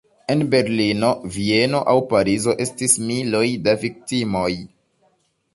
En Berlino, Vieno aŭ Parizo estis miloj da viktimoj.